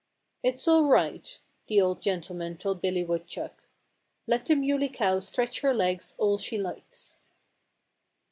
"It's all right," the old gentleman told Billy Woodchuck. "Let the Muley Cow stretch her legs all she likes."